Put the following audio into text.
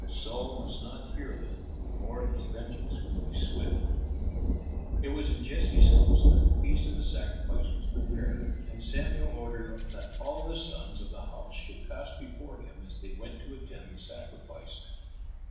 Saul must not hear of it, or his vengeance would be swift. It was in Jesse's house that the feast of the sacrifice was prepared, and Samuel ordered that all the sons of the house should pass before him as they went to attend the sacrifice.